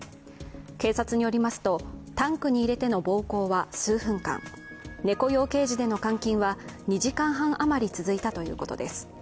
警察によりますと、タンクに入れての暴行は数分間、猫用ケージでの監禁は２時間半余り続いたということです。